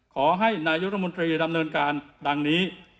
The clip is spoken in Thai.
ขอให้นายุทธมนตรีดำเนินการดังนี้